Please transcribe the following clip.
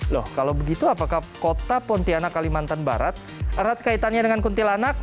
loh kalau begitu apakah kota pontianak kalimantan barat erat kaitannya dengan kuntilanak